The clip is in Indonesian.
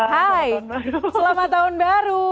hai selamat tahun baru